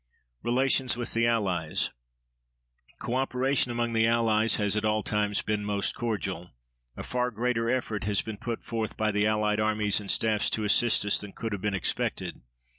RELATIONS WITH THE ALLIES Co operation among the Allies has at all times been most cordial. A far greater effort has been put forth by the allied armies and staffs to assist us than could have been expected.